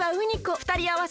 ふたりあわせて。